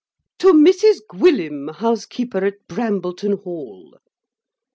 To Mrs GWYLLIM, house keeper at Brambleton hall.